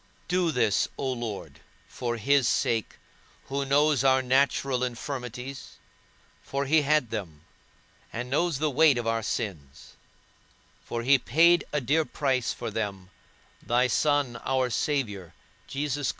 Do this, O Lord, for his sake, who knows our natural infirmities, for he had them, and knows the weight of our sins, for he paid a dear price for them, thy Son, our Saviour, Christ Jesus.